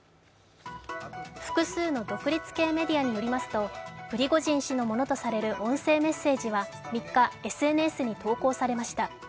複数の独立系メディアによりますとプリゴジン氏のものとされる音声メッセージは３日、ＳＮＳに投稿されました。